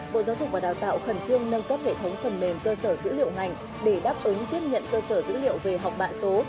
bộ giáo dục và đào tạo khẩn trương nâng cấp hệ thống phần mềm cơ sở dữ liệu ngành để đáp ứng tiếp nhận cơ sở dữ liệu về học bạ số